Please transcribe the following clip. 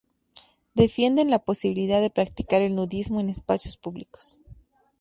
Defienden la posibilidad de practicar el nudismo en espacios públicos.